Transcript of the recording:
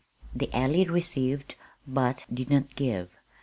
The Alley received, but did not give.